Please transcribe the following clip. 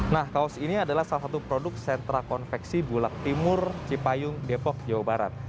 nah kaos ini adalah salah satu produk sentra konveksi bulak timur cipayung depok jawa barat